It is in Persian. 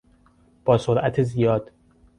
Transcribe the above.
با سرعت زیاد